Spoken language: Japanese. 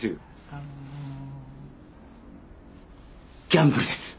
ギャンブルです。